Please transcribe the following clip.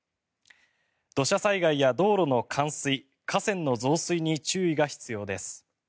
土砂災害や道路の冠水河川の増水に注意が必要です。